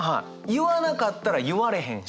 言わなかったら言われへんし。